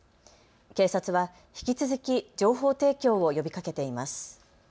警察は引き続き情報提供を呼びかけています。